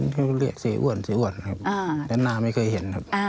เขาเรียกเสียอ้วนเสียอ้วนครับแต่หน้าไม่เคยเห็นครับ